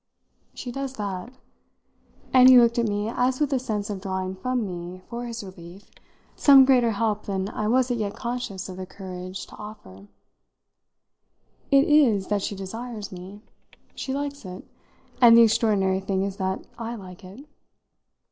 "She does that." And he looked at me as with the sense of drawing from me, for his relief, some greater help than I was as yet conscious of the courage to offer. "It is that she desires me. She likes it. And the extraordinary thing is that I like it."